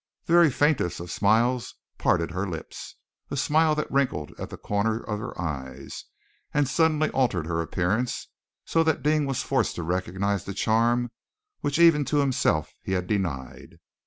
The very faintest of smiles parted her lips, a smile that wrinkled at the corners of her eyes, and suddenly altered her appearance so that Deane was forced to recognize the charm which even to himself he had denied.